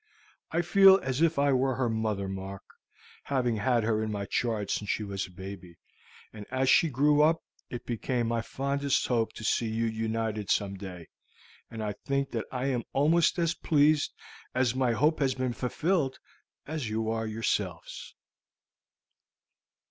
I feel as if I were her mother, Mark, having had her in my charge since she was a baby; and as she grew up it became my fondest hope to see you united some day, and I think that I am almost as pleased that my hope has been fulfilled as you are yourselves."